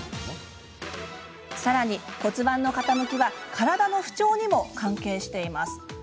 さらに、骨盤の傾きは体の不調にも関係しています。